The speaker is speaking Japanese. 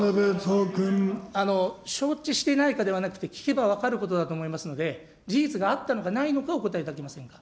承知していないかではなくて、聞けば分かることだと思いますので、事実があったのか、ないのかをお答えいただけませんか。